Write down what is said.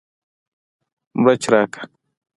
مرچ راکړه